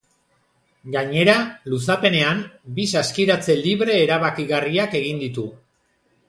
Gainera, luzapenean, bi saskiratze libre erabakigarriak egin ditu.